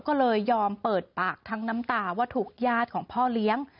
ก็เลยยอมเปิดปากทั้งน้ำตาว่าถูกญาติของพ่อเลี้ยง